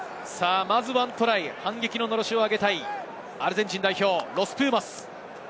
まず１トライ、反撃ののろしを上げたいアルゼンチン代表ロス・プーマス。